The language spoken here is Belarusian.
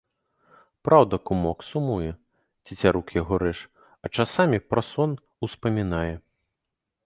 Праўда, кумок, сумуе, цецярук яго рэж, а часамі праз сон успамінае.